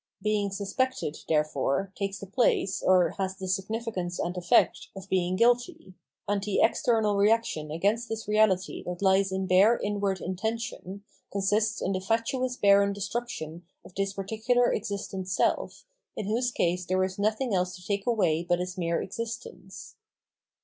Being suspected, therefore, takes the place, or has the significance and effect, of being guilty ; and the external reaction against this reality that lies in bare inward intention, consists in the fatuous barren destruction of this particular existent self, in whose case there is nothing else to take away but its mere existence.